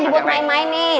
dibuat main main nih